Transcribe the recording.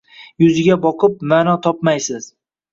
Yuziga boqib, ma’no topmaysiz